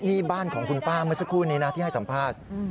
นี่บ้านของคุณป้าเมื่อสักครู่นี้นะที่ให้สัมภาษณ์